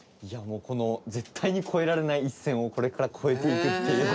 この絶対に越えられない一線をこれから越えていくっていう。